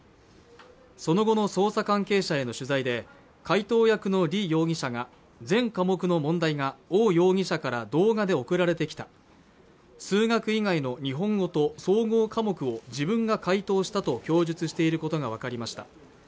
その後の捜査関係者への取材で解答役の李容疑者者が全科目の問題が王容疑者から動画で送られてきた数学以外の日本語と総合科目を自分が解答したと供述していることが分かりました